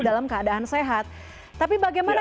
dalam keadaan sehat tapi bagaimana